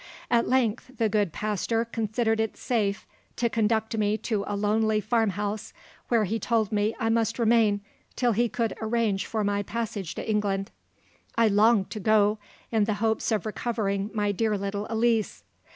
"At length the good pastor considered it safe to conduct me to a lonely farm house, where he told me I must remain till he could arrange for my passage to England. I longed to go, in the hopes of recovering my dear little Elise.